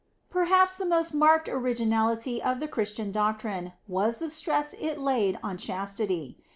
Perhaps the most marked originality of the Christian doctrine was the stress it laid on chastity.